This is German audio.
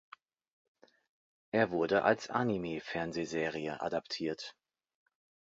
Er wurde als Anime-Fernsehserie adaptiert.